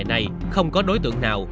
mấy ngày nay không có đối tượng nào